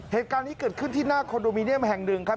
เหตุการณ์นี้เกิดขึ้นที่หน้าคอนโดมิเนียมแห่งหนึ่งครับ